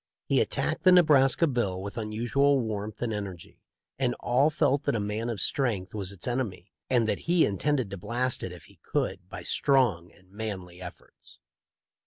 He attacked the Nebraska bill with unusual warmth and energy; and all felt that a man of strength was its enemy, and that he intended to blast it if he could by strong and manly efforts.